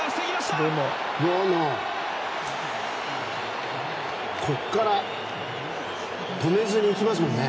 あそこから止めずに行きますもんね。